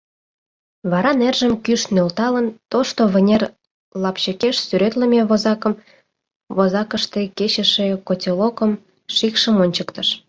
Вара нержым кӱш нӧлталын, тошто вынер лапчыкеш сӱретлыме возакым, возакыште кечыше котелокым, шикшым ончыктыш.